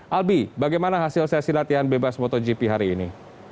albi bagaimana hasil sesi latihan bebas motogp hari ini